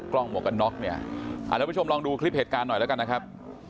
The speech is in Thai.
หมวกกันน็อกเนี่ยทุกผู้ชมลองดูคลิปเหตุการณ์หน่อยแล้วกันนะครับ